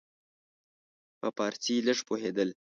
په فارسي لږ پوهېدل.